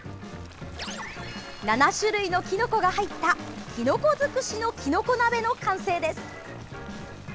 ７種類のきのこが入ったきのこづくしのきのこ鍋の完成です。